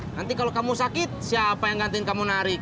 nanti kalau kamu sakit siapa yang gantiin kamu narik